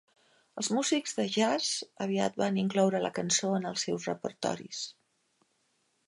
Els músics de jazz aviat van incloure la cançó en els seus repertoris.